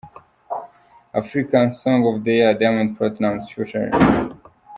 Africa Song of the Year Diamond Platnumz Ft.